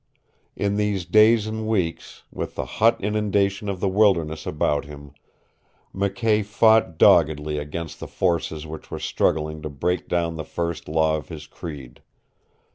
In these days and weeks, with the hot inundation of the wilderness about him, McKay fought doggedly against the forces which were struggling to break down the first law of his creed.